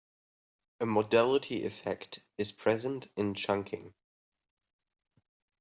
A modality effect is present in chunking.